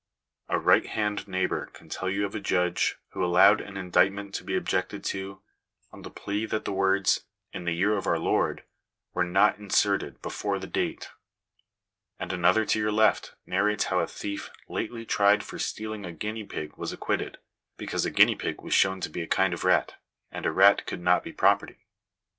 A right hand neighbour can tell you of a judge who allowed an indictment to be objected to, on the plea that the words, " in the year of our Lord," were not inserted before the date; and another to your left narrates how a thief lately tried for stealing a guinea pig was acquitted, because a guinea pig was shown to be a kind of rat, and a rat could not be property.